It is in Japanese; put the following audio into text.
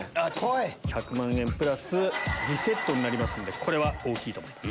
１００万円プラスリセットになりますんでこれは大きいと思います。